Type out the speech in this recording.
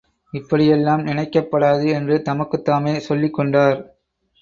இப்படியெல்லாம் நினைக்கப் படாது என்று தமக்குத்தாமே சொல்லிக்கொண்டார்.